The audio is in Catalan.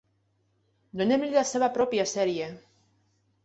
Donem-li la seva pròpia sèrie.